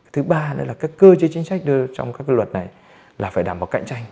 thứ ba nữa là các cơ chế chính sách trong các luật này là phải đảm bảo cạnh tranh